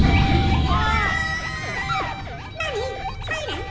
うわ！